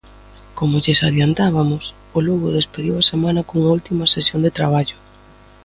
Como lles adiantabamos, o Lugo despediu a semana cunha última sesión de traballo...